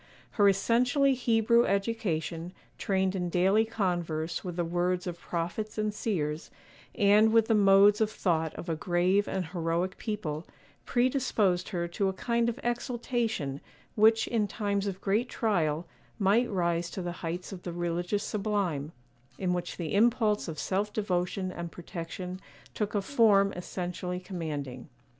Her essentially Hebrew education, trained in daily converse with the words of prophets and seers, and with the modes of thought of a grave and heroic people, predisposed her to a kind of exaltation which, in times of great trial, might rise to the heights of the religious sublime, in which the impulse of self devotion and protection took a form essentially commanding.